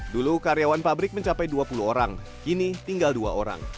dulu karyawan pabrik mencapai dua puluh orang kini tinggal dua orang